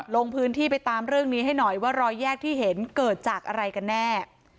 ลงพื้นที่ไปตามเรื่องนี้ให้หน่อยว่ารอยแยกที่เห็นเกิดจากอะไรกันแน่